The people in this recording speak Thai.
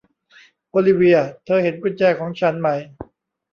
โอลิเวียร์ เธอเห็นกุญแจของฉันไหม